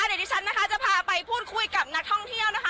เดี๋ยวดิฉันนะคะจะพาไปพูดคุยกับนักท่องเที่ยวนะคะ